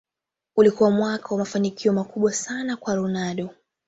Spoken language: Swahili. ulikuwa mwaka wa mafanikio makubwa sana kwa ronaldo